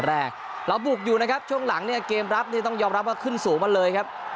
แรกเราบุกอยู่นะครับช่วงหลังเนี่ยเกมรับนี่ต้องยอมรับว่าขึ้นสูงมาเลยครับ